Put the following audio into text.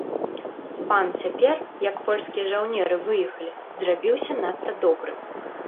Пан цяпер, як польскія жаўнеры выехалі, зрабіўся надта добрым.